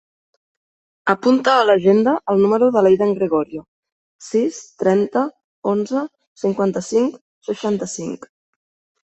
Apunta a l'agenda el número de l'Eidan Gregorio: sis, trenta, onze, cinquanta-cinc, seixanta-cinc.